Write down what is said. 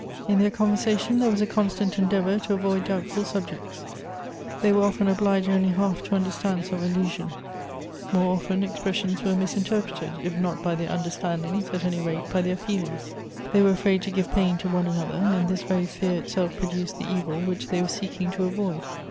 In their conversation there was a constant end«.ivor to avoid doubtful subjects. They were often obliged only half to understand some allusion ; more often, expres sions were misinterpreted, if not by their understandings, at any rate by their feelings. They were afraid to give pain to one another, and this very fear itself produced the evil which they were seeking to avoid.